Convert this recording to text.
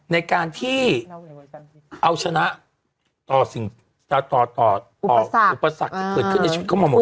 ในการที่เอาชนะต่อสิ่งต่อต่ออุปสรรคที่เกิดขึ้นในชีวิตเข้ามาหมด